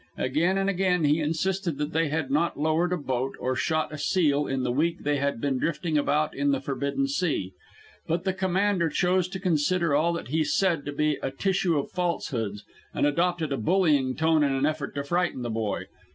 Again and again he insisted that they had not lowered a boat or shot a seal in the week they had been drifting about in the forbidden sea; but the commander chose to consider all that he said to be a tissue of falsehoods, and adopted a bullying tone in an effort to frighten the boy.